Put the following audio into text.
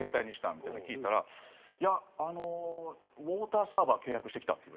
みたいなの聞いたらいやあのウォーターサーバー契約してきたって言われて。